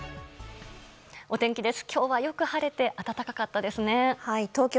お天気です。